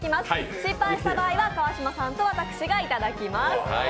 失敗した場合は川島さんと私がいただきます。